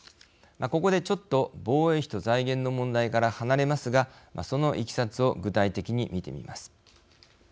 ここでちょっと防衛費と財源の問題から離れますがそのいきさつを具体的に見てみます。